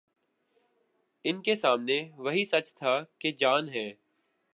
ان کے سامنے وہی سچ تھا کہ جان ہے۔